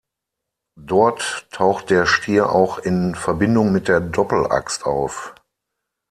Dort taucht der Stier auch in Verbindung mit der Doppelaxt auf.